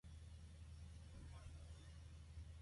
The American press has also favored the album.